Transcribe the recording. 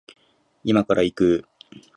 今から行く